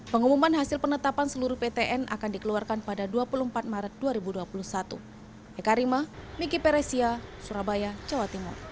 pengumuman hasil penetapan seluruh ptn akan dikeluarkan pada dua puluh empat maret dua ribu dua puluh satu